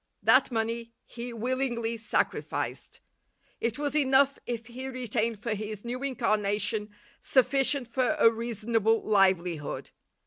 That money he willingly sacrificed. It was enough if he retained for his new incarnation sufficient for a reasonable livelihood.